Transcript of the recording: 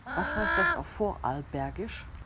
Was heißt das auf Vorarlbergisch?